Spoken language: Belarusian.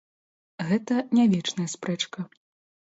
Гэта не вечная спрэчка.